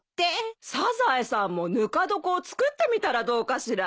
サザエさんもぬか床を作ってみたらどうかしら。